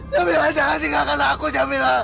jamilah jangan tinggalkan aku jamilah